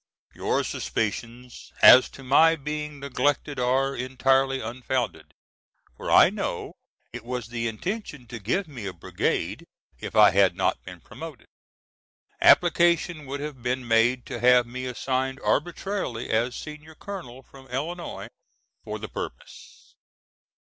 Your suspicions as to my being neglected are entirely unfounded, for I know it was the intention to give me a brigade if I had not been promoted. Application would have been made to have me assigned arbitrarily as senior colonel from Illinois for the purpose.